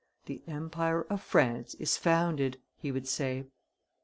"The empire of France is founded," he would say.